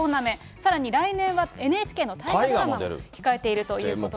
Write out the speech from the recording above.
さらに来年はＮＨＫの大河ドラマも控えているということで。